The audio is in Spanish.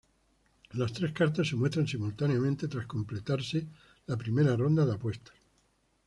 Las tres cartas se muestran simultáneamente tras completarse la primera ronda de apuestas.